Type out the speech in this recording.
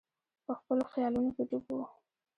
په خپلو خیالونو کې ډوب وو.